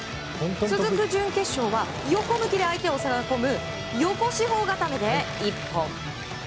続く準決勝は横向きで相手を抑え込む横四方固めで一本。